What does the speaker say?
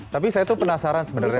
tapi saya tuh penasaran sebenarnya